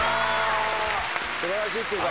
すばらしいっていうか。